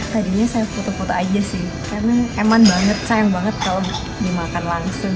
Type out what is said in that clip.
tadinya saya foto foto aja sih karena emang banget sayang banget kalau dimakan langsung